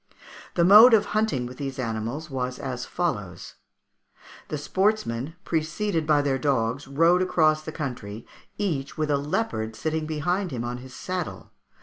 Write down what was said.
The mode of hunting with these animals was as follows: The sportsmen, preceded by their dogs, rode across country, each with a leopard sitting behind him on his saddle.